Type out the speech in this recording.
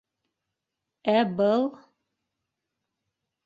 - Ә был...